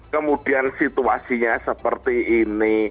kemudian situasinya seperti ini